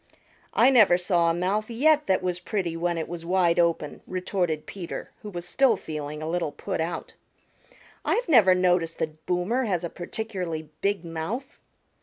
"I never saw a mouth yet that was pretty when it was wide open," retorted Peter, who was still feeling a little put out. "I've never noticed that Boomer has a particularly big mouth."